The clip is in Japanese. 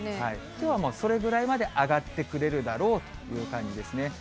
きょうはもう、それぐらいまで上がってくれるだろうという感じですね。